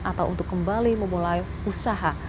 atau untuk kembali memulai usaha